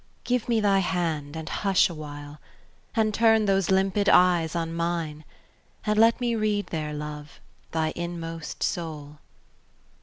Give me thy hand and hush awhile, And turn those limpid eyes on mine, And let me read there, love! thy inmost soul.